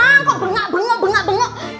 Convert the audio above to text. kok bengak bengok bengak bengok